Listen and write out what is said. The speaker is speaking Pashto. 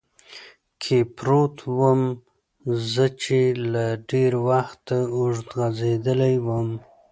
کې پروت ووم، زه چې له ډېر وخته اوږد غځېدلی ووم.